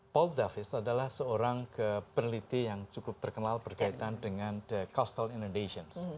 paul davis adalah seorang peneliti yang cukup terkenal berkaitan dengan the coastal indonesia